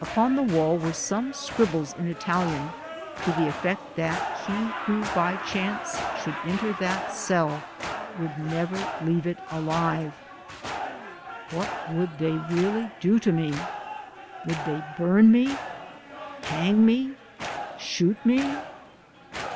Upon the wall were some scribbles in Italian to the effect that he who by chance should enter that cell would never leave it alive. What would they really do to me? Would they burn me? Hang me? Shoot me?